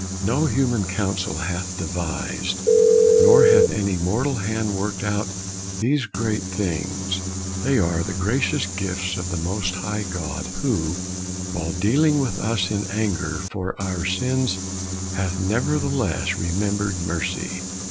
No human counsel hath devised, nor hath any mortal hand worked out these great things. They are the gracious gifts of the Most High God, who, while dealing with us in anger for our sins, hath nevertheless remembered mercy.